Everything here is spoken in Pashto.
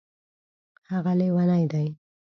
هغه لیونی دی